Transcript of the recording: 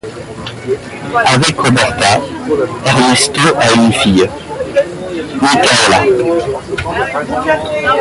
Avec Roberta, Ernesto a eu une fille, Micaela.